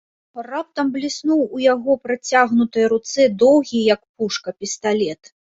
Раптам бліснуў у яго працягнутай руцэ доўгі, як пушка, пісталет.